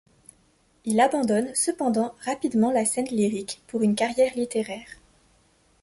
Il abandonne cependant rapidement la scène lyrique pour une carrière littéraire.